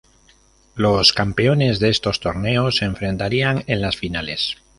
Los campeones de estos torneos se enfrentarían en las finales.